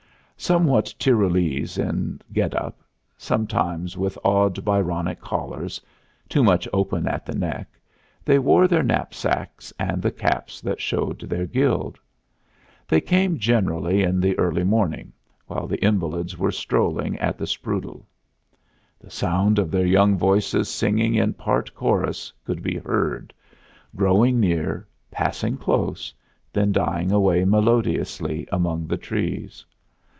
Somewhat Tyrolese in get up, sometimes with odd, Byronic collars, too much open at the neck, they wore their knapsacks and the caps that showed their guild. They came generally in the early morning while the invalids were strolling at the Sprudel. The sound of their young voices singing in part chorus would be heard, growing near, passing close, then dying away melodiously among the trees.